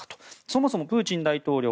そもそも、プーチン大統領